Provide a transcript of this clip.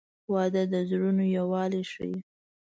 • واده د زړونو یووالی ښیي.